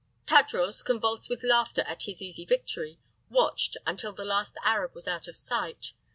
Tadros, convulsed with laughter at his easy victory, watched until the last Arab was out of sight.